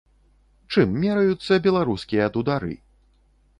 Чым мераюцца беларускія дудары?